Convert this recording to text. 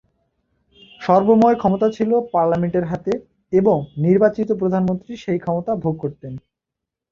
সর্বময় ক্ষমতা ছিলো পার্লামেন্টের হাতে এবং নির্বাচিত প্রধানমন্ত্রী সেই ক্ষমতা ভোগ করতেন।